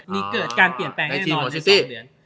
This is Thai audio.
มีเกิดการเปลี่ยนแปลงแน่นอนในสองเหรียญ